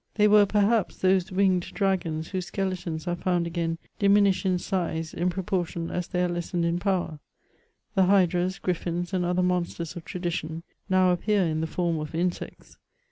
They were, perhaps, those winged dragons whose skeletons are found again, diminished in size in proportion as they are lessened in power — the hydras, griffins, and other monsters of tradition, now appear in the form of insects.